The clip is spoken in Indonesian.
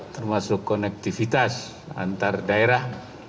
termasuk konektivitas antar daerah